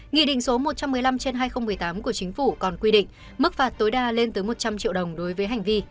nghị định số một trăm một mươi năm trên hai nghìn một mươi tám của chính phủ còn quy định mức phạt tối đa lên tới một trăm linh triệu đồng đối với hành vi